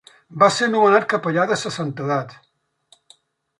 Va ser nomenat capellà de Sa Santedat.